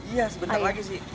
iya sebentar lagi sih